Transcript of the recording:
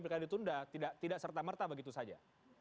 pilkada ditunda tidak serta merta begitu saja